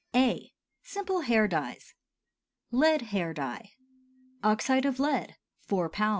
A. Simple Hair Dyes. LEAD HAIR DYE. Oxide of lead 4 lb.